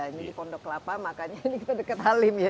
ini di pondok kelapa makanya ini kita dekat halim ya